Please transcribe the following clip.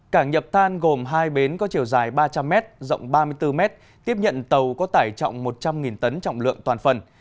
cảng nhập than gồm hai bến có chiều dài ba trăm linh m rộng ba mươi bốn m tiếp nhận tàu có tải trọng một trăm linh tấn trọng lượng toàn phần